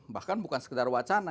bahkan bukan sekedar wacana